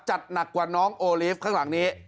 หนักกว่าน้องโอลีฟข้างหลังนี้